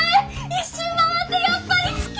一周回ってやっぱり好き！